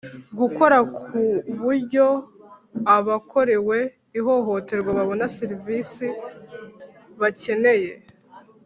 Gukora ku buryo abakorewe ihohoterwa babona serivisi bakeneye.